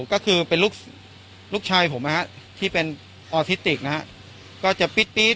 ก็คือเป็นลูกชายผมนะฮะที่เป็นออทิติกนะฮะก็จะปี๊ด